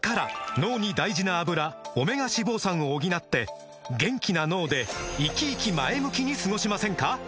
脳に大事な「アブラ」オメガ脂肪酸を補って元気な脳でイキイキ前向きに過ごしませんか？